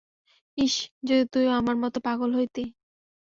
ইশশশ, যদি তুইও আমার মতো পাগল হইতি!